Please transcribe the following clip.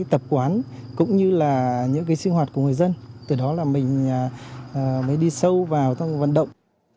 tập quán cũng như là những cái sinh hoạt của người dân từ đó là mình mới đi sâu vào các cuộc vận động